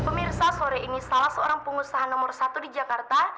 pemirsa sore ini salah seorang pengusaha nomor satu di jakarta